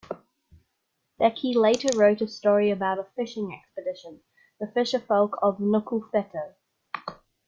Becke later wrote a story about a fishing expedition: "The Fisher Folk Of Nukufetau".